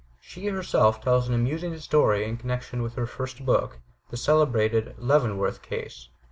She, herself, tells an amusing story in connection with her first book, the celebrated "Leavenworth Case."